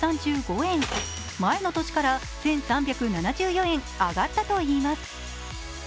前の年から１３７４円上がったといいます。